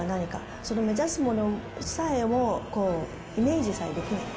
その目指すものさえもイメージさえできないと。